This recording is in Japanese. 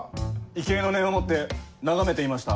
畏敬の念を持って眺めていました。